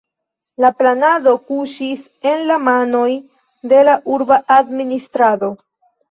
La planado kuŝis en la manoj de la urba administrado.